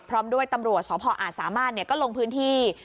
พร้อมด้วยตำรวจสพอาจสามารถก็ลงพื้นที่